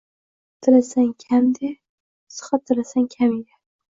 Izzat tilasang kam de, Sihat tilasang kam ye.